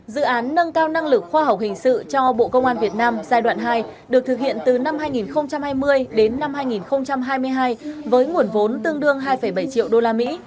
dự án nâng cao năng lực khoa học hình sự cho bộ công an việt nam giai đoạn hai được thực hiện từ năm hai nghìn hai mươi đến năm hai nghìn hai mươi hai với nguồn vốn tương đương hai bảy triệu đô la mỹ